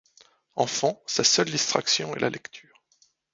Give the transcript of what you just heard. Enfant, sa seule distraction est la lecture.